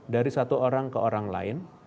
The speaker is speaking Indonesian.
dari satu orang ke orang lain